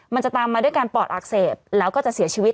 มันจะตามมาด้วยการปอดอักเสบแล้วก็จะเสียชีวิต